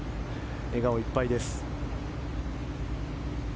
笑顔いっぱいです。